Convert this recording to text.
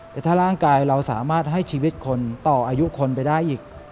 แต่ถ้าร่างกายเราสามารถให้ชีวิตคนต่ออายุคนไปได้อีก